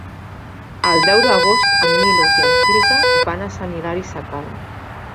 El deu d'agost en Milos i en Quirze van a Sant Hilari Sacalm.